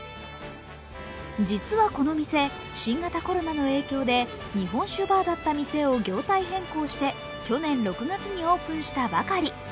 実はこの店、新型コロナの影響で日本酒バーだった店を業態変更して去年６月にオープンしたばかり。